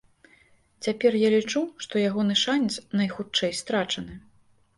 Цяпер я лічу, што ягоны шанец найхутчэй страчаны.